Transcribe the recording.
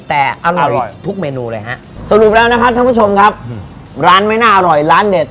แต่อร่อยทุกเมนูเลยฮะสรุปแล้วนะครับท่านผู้ชมครับร้านไม่น่าอร่อยร้านเด็ด